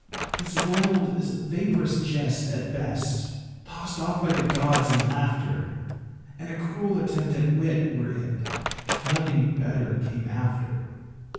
This world is a vaporous jest at best, Tossed off by the gods in laughter; And a cruel attempt at wit were it, If nothing better came after.